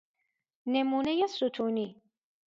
نمونه ستونی